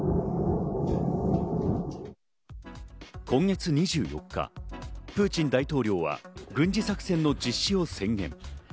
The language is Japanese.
今月２４日、プーチン大統領は軍事作戦の実施を宣言。